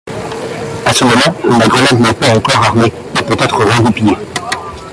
À ce moment, la grenade n'est pas encore armée et peut être regoupillée.